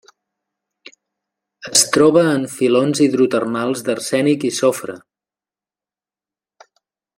Es troba en filons hidrotermals d'arsènic i sofre.